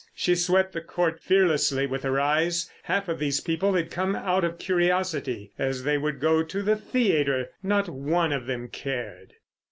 She swept the Court fearlessly with her eyes; half of these people had come out of curiosity, as they would go to the theatre. Not one of them cared.